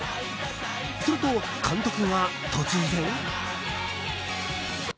すると、監督が突然。